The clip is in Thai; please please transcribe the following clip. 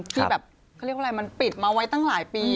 ที่แบบเขาเรียกว่าอะไรมันปิดมาไว้ตั้งหลายปี